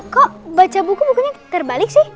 kok baca buku mungkin terbalik sih